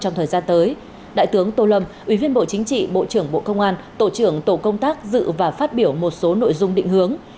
trong thời gian tới đại tướng tô lâm ủy viên bộ chính trị bộ trưởng bộ công an tổ trưởng tổ công tác dự và phát biểu một số nội dung định hướng